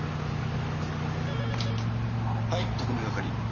はい特命係。